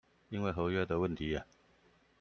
因為合約的問題